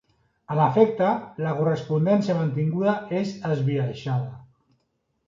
En efecte, la correspondència mantinguda és esbiaixada.